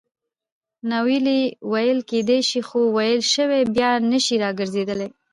ناویلي ویل کېدای سي؛ خو ویل سوي بیا نه سي راګرځېدلای.